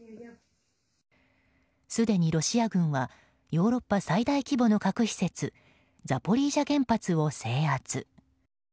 すでにロシア軍はヨーロッパ最大規模の核施設ザポリージャ原発を制圧。